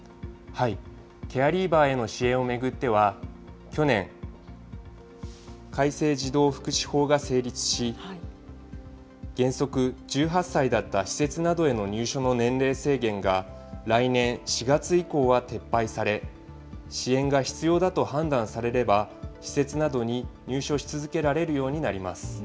ケアリーバーへの支援を巡っては、去年、改正児童福祉法が成立し、原則１８歳だった施設などへの入所の年齢制限が、来年４月以降は撤廃され、支援が必要だと判断されれば、施設などに入所し続けられるようになります。